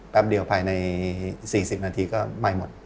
แป๊บเดียวกันใน๔๐นาทีก็มายหมด